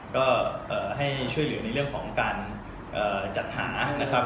ก็ให้ช่วยเหลือในเรื่องของการจัดหานะครับ